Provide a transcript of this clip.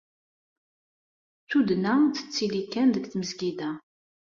Tuddna tettili kan deg tmezgida.